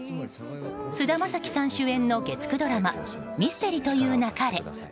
菅田将暉さん主演の月９ドラマ「ミステリと言う勿れ」。